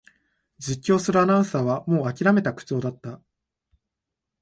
実況するアナウンサーはもうあきらめた口調だった